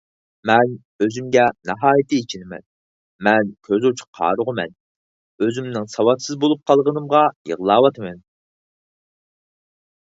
مەن ئۆزۈمگە ناھايىتى ئېچىنىمەن. مەن كۆزى ئوچۇق قارىغۇمەن، ئۆزۈمنىڭ ساۋاتسىز بولۇپ قالغىنىمغا يىغلاۋاتىمەن.